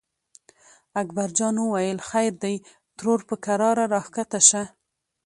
اکبر جان وویل: خیر دی ترور په کراره راکښته شه.